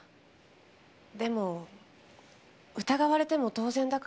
でも疑われても当然だから。